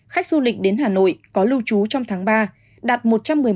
khách du lịch đến hà nội có lưu trú trong tháng ba